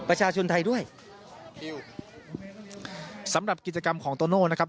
ประชาชนไทยด้วยสำหรับกิจกรรมของโตโน่นะครับ